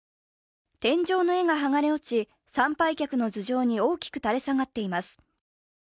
天井の絵が剥がれ落ち、参拝客の頭上に大きく垂れ下がっています。